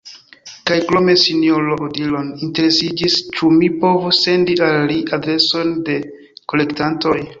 Kaj krome Sinjoro Odilon interesiĝis, ĉu mi povus sendi al li adresojn de kolektantoj.